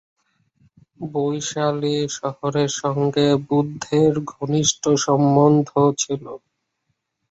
বৈশালী শহরের সঙ্গে বুদ্ধের ঘনিষ্ঠ সম্বন্ধ ছিল।